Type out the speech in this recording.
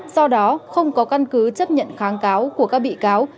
do đó không có căn cứ chấp nhận kháng cáo của các bị cáo